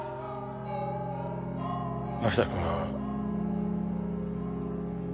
槙田くんは。